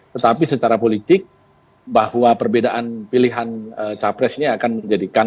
tetapi secara politik bahwa perbedaan pilihan capres ini akan menjadikan